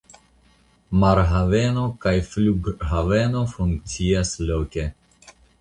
Marhaveno kaj flughaveno funkcias loke.